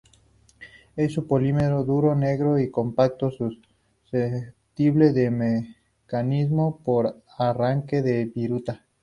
Es un polímero duro, negro y compacto susceptible de mecanizado por arranque de viruta.